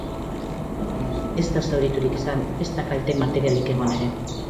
Ez da zauriturik izan, ezta kalte materialik egon ere.